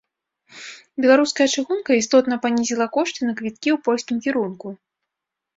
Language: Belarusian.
Беларуская чыгунка істотна панізіла кошты на квіткі ў польскім накірунку.